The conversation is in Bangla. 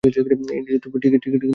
ইন্ডিয়া যেতে হবে, টিকেট কিনতে হবে!